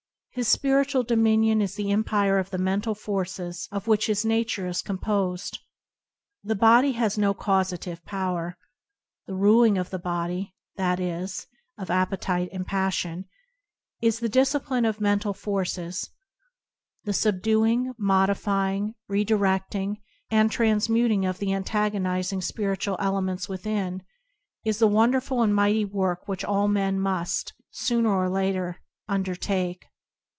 His spiritual dominion is the empire of the mental forces of which his nature is com posed. The body has no causative power. The ruling of the body — that is, of appe tite and passion — is the discipline ofmental [ 50 ] TSoop anD Circumstance forces. The subduing, modifying, redirect ing, and transmuting of the antagonizing spiritual elements within, is the wonderful and mighty work which all men must, sooner or later, undertake.